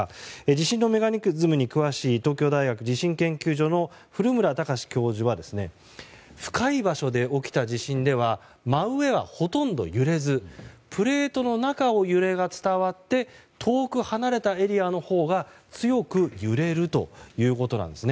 地震のメカニズムに詳しい東京大学地震研究所の古村孝志教授は深い場所で起きた地震では真上はほとんど揺れずプレートの中を揺れが伝わって遠く離れたエリアのほうが強く揺れるということなんです。